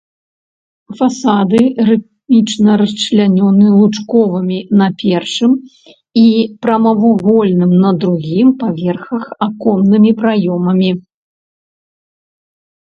Фасады рытмічна расчлянёны лучковымі на першым і прамавугольным на другім паверхах аконнымі праёмамі.